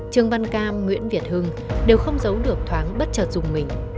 trương văn cam nguyễn việt hưng đều không giấu được thoáng bất chợt dùng mình